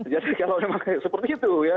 jadi kalau memang seperti itu ya kan